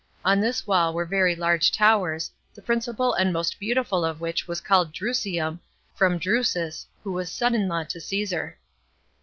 On this wall were very large towers, the principal and most beautiful of which was called Drusium, from Drusus, who was son in law to Caesar.